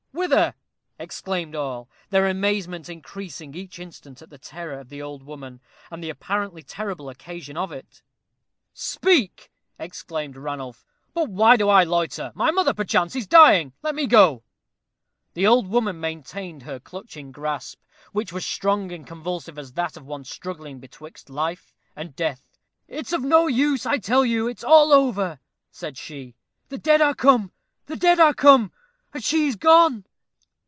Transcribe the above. Whither?" exclaimed all, their amazement increasing each instant at the terror of the old woman, and the apparently terrible occasion of it. "Speak!" exclaimed Ranulph; "but why do I loiter? my mother, perchance, is dying let me go." The old woman maintained her clutching grasp, which was strong and convulsive as that of one struggling betwixt life and death. "It's of no use, I tell you; it's all over," said she "the dead are come the dead are come and she is gone."